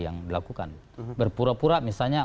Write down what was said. yang dilakukan berpura pura misalnya